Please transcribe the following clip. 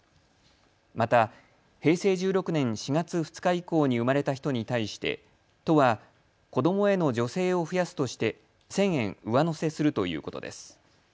また平成１６年４月２日以降に生まれた人に対して都は子どもへの助成を増やすとして１０００円上乗せするということです。